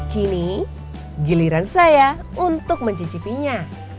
kini giliran saya untuk mencicipinya